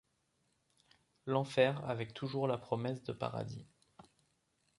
L’enfer avec toujours la promesse de paradis.